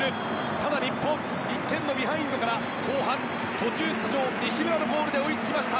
ただ日本、１点のビハインドから後半途中出場の西村のゴールで追いつきました。